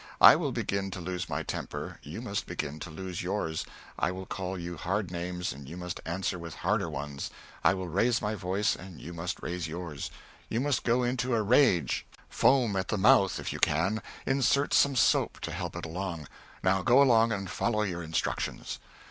I will begin to lose my temper; you must begin to lose yours. I will call you hard names; you must answer with harder ones. I will raise my voice; you must raise yours. You must go into a rage foam at the mouth, if you can; insert some soap to help it along. Now go along and follow your instructions."